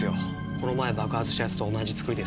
この前爆発したやつと同じ作りです。